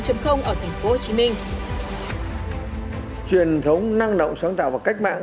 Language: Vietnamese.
truyền thống năng động sáng tạo và khách mạng